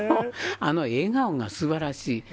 あの笑顔がすばらしい。